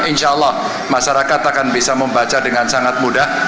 insya allah masyarakat akan bisa membaca dengan sangat mudah